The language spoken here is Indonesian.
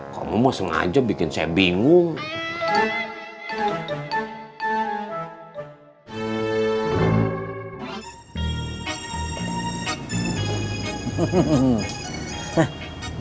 kamu mau sengaja bikin saya bingung